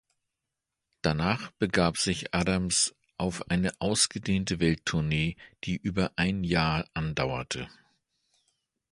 Danach begab sich Adams auf eine ausgedehnte Welttournee, die über ein Jahr andauerte.